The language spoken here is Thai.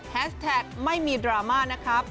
แท็กไม่มีดราม่านะครับ